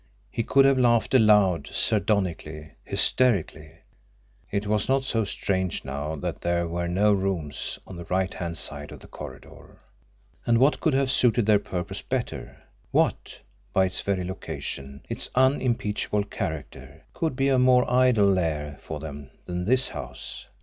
He could have laughed aloud sardonically, hysterically. It was not so strange now that there were no rooms on the right hand side of the corridor! And what could have suited their purpose better, what, by its very location, its unimpeachable character, could be a more ideal lair for them than this house!